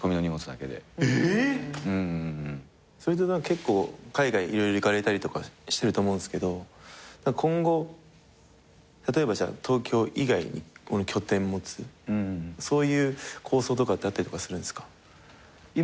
結構海外色々行かれたりとかしてると思うんすけど今後例えばじゃあ東京以外に拠点持つそういう構想とかってあったりするんですか？